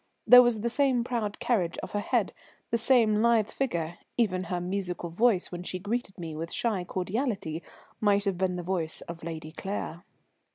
There was the same proud carriage of her head, the same lithe figure, even her musical voice when she greeted me with shy cordiality might have been the voice of Lady Claire.